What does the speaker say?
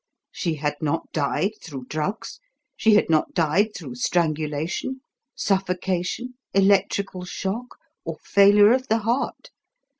She had not died through drugs, she had not died through strangulation, suffocation, electrical shock, or failure of the heart.